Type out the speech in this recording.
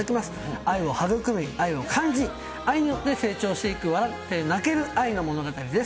愛を育み、愛を感じ、愛によって成長していく泣ける愛の物語です。